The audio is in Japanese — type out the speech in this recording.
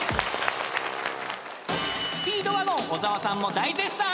［スピードワゴン小沢さんも大絶賛！］